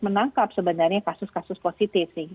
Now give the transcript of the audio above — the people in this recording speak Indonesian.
menangkap sebenarnya kasus kasus positif